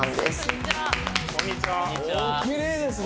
おきれいですね！